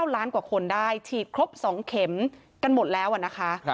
ล้านกว่าคนได้ฉีดครบ๒เข็มกันหมดแล้วนะคะ